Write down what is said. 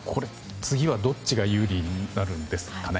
次はどっちが有利になるんですかね。